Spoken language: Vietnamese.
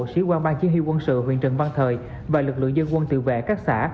sĩ quan ban chí huy quân sự huyện trần văn thời và lực lượng dân quân tự vệ các xã